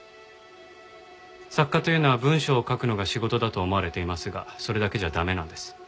作家というのは文章を書くのが仕事だと思われていますがそれだけじゃ駄目なんです。